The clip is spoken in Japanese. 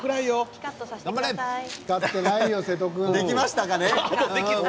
できましたかね。